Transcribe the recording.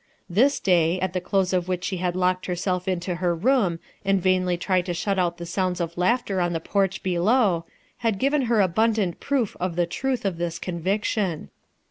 This day, at the close of which she had locked herself into her room and vainly tried to shut out the sounds of laughter on the porch below, had given her abundant proof of the truth of this conviction.